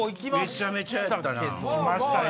めちゃめちゃやったな。